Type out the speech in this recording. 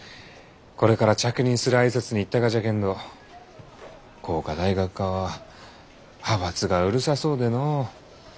これから着任する挨拶に行ったがじゃけんど工科大学側は派閥がうるさそうでのう。